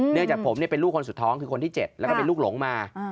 เนื่องจากผมเป็นลูกคนสุดท้องคือคนที่๗แล้วก็เป็นลูกหลงมา